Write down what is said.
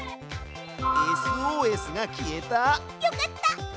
ＳＯＳが消えた！よかった！